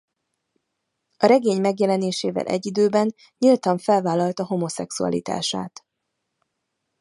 A regény megjelenésével egyidőben nyíltan felvállalta homoszexualitását.